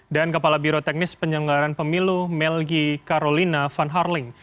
dan kepala biro teknis penyelenggaraan pemilu melgi carolina van harling